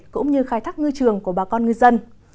cũng như khai thác ngư trường của bà con ngư dân